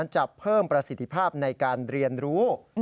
จะเพิ่มประสิทธิภาพในการเรียนรู้